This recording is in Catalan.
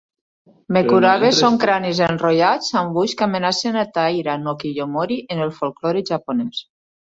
"Mekurabe" són cranis enrotllats amb ulls que amenacen a Taira no Kiyomori en el folklore japonès.